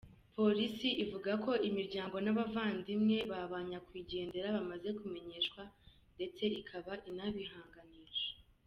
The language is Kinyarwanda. Polisi ivuga ko imiryango n’abavandimwe ba ba Nyakwigendera bamaze kumenyeshwa, ndetse ikaba inabihanganisha.